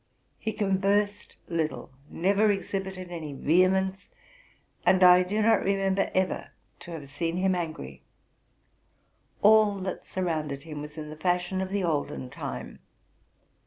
He conversed little, never exhibited any vehe mence ; and I do not remember ever to have seen him angry. All that surrounded him was in the fashion of the olden time.